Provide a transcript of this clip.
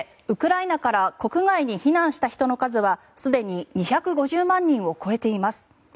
ウクライナから国外に避難した人の数は、すでに２５０万人を超えています。